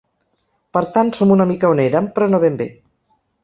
Per tant, som una mica on érem, però no ben bé.